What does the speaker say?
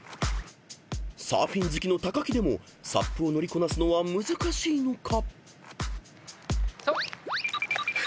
［サーフィン好きの木でもＳＵＰを乗りこなすのは難しいのか？］